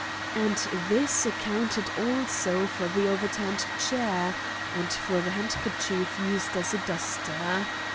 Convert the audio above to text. And this accounted also for the overturned chair, and for the handkerchief used as a duster.